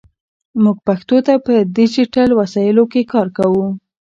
موږ پښتو ته په ډیجیټل وسایلو کې کار کوو.